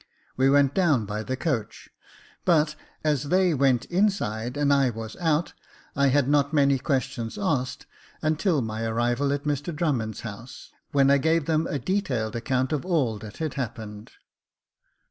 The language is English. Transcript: We went down by the coach, but, as they went inside and I was out, I had not many questions asked until my arrival at Mr Drummond's house, when I gave them a detailed account of all that had happened.